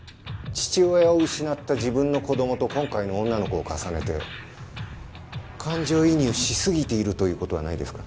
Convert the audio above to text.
父親を失った自分の子供と今回の女の子を重ねて感情移入しすぎているという事はないですか？